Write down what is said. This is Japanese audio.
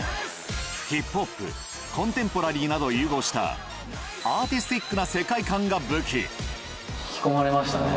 ヒップホップ、コンテンポラリーなどを融合した、アーティスティ引き込まれましたね。